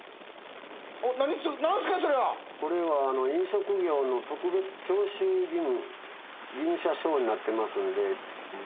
これは飲食業の特別徴収義務者証になってますんで。